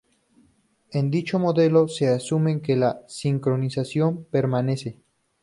En dicho modelo, se asumen que la sincronización permanece.